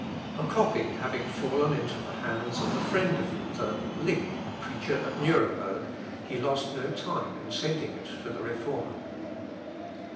A copy having fallen into the hands of a friend of Luther, Link, preacher at Nuremberg, he lost no time in sending it to the Reformer.